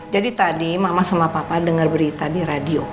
jadi tadi mama sama papa denger berita di radio